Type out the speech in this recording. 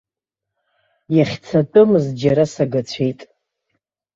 Иахьцатәымыз џьара сагацәеит.